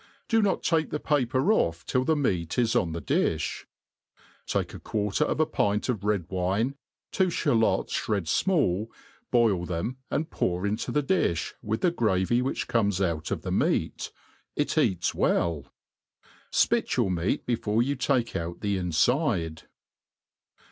Da Dot take the paper off till the meat is on the dtfh; Take a ijAaFter of a |>int of red wine, two ^fhalots ihred fmall, boil' them, and pour into the difb, with the gr4vy which comes out 5>f the meat i it eata welK Spit your meat before you take out the infide.